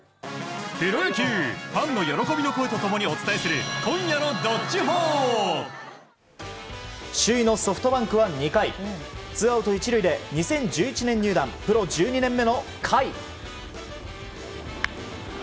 プロ野球、ファンの喜びの声と共にお伝えする首位のソフトバンクは２回ツーアウト１塁で２０１１年入団プロ１２年目の甲斐。